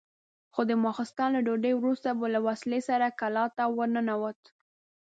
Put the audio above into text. خو د ماخستن له ډوډۍ وروسته به له وسلې سره کلا ته ورننوت.